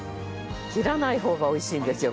切らない方が美味しいんですよ